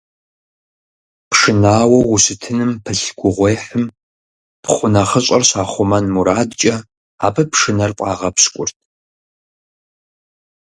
Пшынауэу ущытыным пылъ гугъуехьым пхъу нэхъыщӀэр щахъумэн мурадкӀэ, абы пшынэр фӀагъэпщкӀурт.